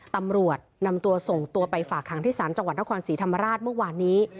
ตำรวจนำตัวส่งตัวไปฝากหางที่ศาลจังหวัดนครศรีธรรมราชเมื่อวานนี้